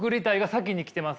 先に来てますよね。